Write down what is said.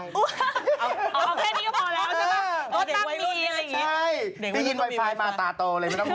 อ๋ออ๋อแค่นี้ก็พอแล้วใช่ป่ะเออเดี๋ยวไวไฟมาตาโตเลยไม่ต้องห่วง